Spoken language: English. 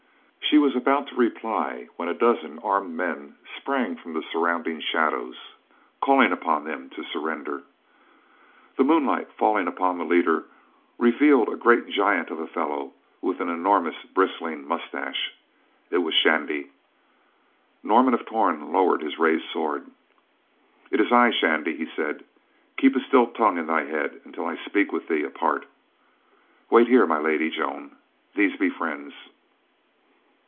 She was about to reply when a dozen armed men sprang from the surrounding shadows, calling upon them to surrender. The moonlight falling upon the leader revealed a great giant of a fellow with an enormous, bristling mustache—it was Shandy. Norman of Torn lowered his raised sword. "It is I, Shandy," he said. "Keep a still tongue in thy head until I speak with thee apart. Wait here, My Lady Joan; these be friends."